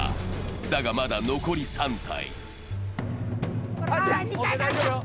だが、まだ残り３体。